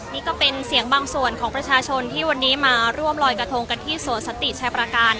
นี่ก็เป็นเสียงบางส่วนของประชาชนที่วันนี้มาร่วมลอยกระทงกันที่สวนสติชายประการ